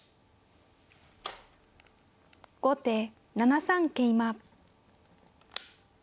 後手７三桂馬。